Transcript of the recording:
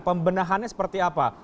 pembenahannya seperti apa